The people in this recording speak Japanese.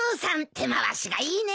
手回しがいいね。